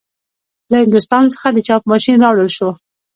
له هندوستان څخه د چاپ ماشین راوړل شو.